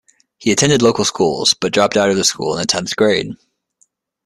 He attended local schools, but dropped out of school in the tenth grade.